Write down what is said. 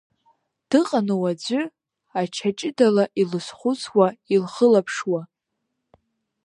Дыҟану аӡәы, Ача ҷыдала илызхәыцуа, илхылаԥшуа?